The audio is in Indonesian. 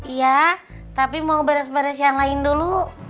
iya tapi mau beres beres yang lain dulu